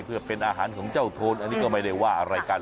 เพื่อเป็นอาหารของเจ้าโทนอันนี้ก็ไม่ได้ว่าอะไรกัน